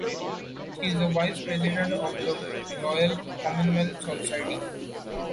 She is a Vice-President of the Royal Commonwealth Society.